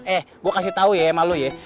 eh gua kasih tahu ya sama lu ya